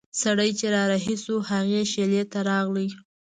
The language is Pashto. سړی چې را رهي شو هغې شېلې ته راغی.